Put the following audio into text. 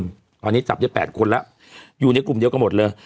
ตอนนี้จับได้๘คนแล้วอยู่ในกลุ่มเดียวกันหมดเลย